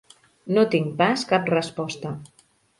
No tinc pas cap resposta.